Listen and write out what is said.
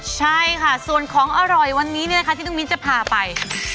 ใช่ค่ะส่วนของอร่อยวันนี้ที่น้องมิ้นจะพาไป